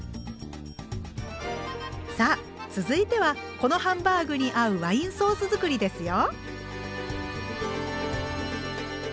さあ続いてはこのハンバーグに合うワインソース作りですよ。